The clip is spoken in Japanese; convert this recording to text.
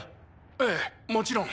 ええもちろん。